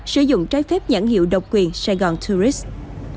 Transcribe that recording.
sử dụng trái phép nhãn hiệu độc quyền sài gòn tourist